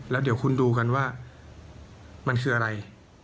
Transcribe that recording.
แล้วเดี๋ยวคุณดูกันว่ามันคืออะไร